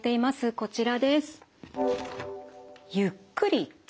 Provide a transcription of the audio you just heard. こちらです。